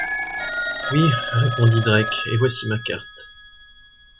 Oui, répondit Drake, et voici ma carte !